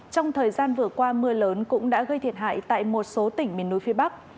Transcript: trong thời gian vừa qua mưa lớn cũng đã gây thiệt hại tại một số tỉnh miền núi phía bắc